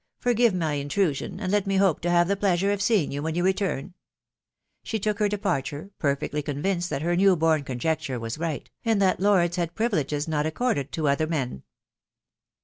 forgive my is* trusion, and let me hope to have the pleasure of seeing yw when you return," she took her departure, perfectly convinced that her new born conjecture was right, and that lords had privileges not accorded to other men.